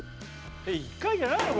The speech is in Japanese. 「１回じゃないの？